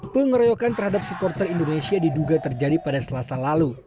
pengeroyokan terhadap supporter indonesia diduga terjadi pada selasa lalu